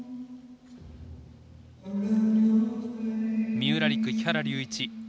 三浦璃来木原龍一。